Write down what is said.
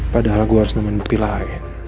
padahal saya harus menemukan bukti lain